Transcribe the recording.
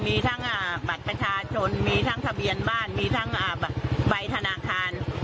มีทั้งบัตรประชาชนมีทั้งทะเบียนบ้านมีทั้งใบธนาคาร